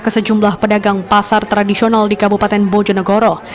ke sejumlah pedagang pasar tradisional di kabupaten bojonegoro